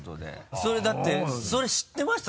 それだってそれ知ってました？